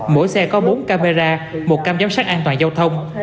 mỗi xe có bốn camera một camera giám sát an toàn giao thông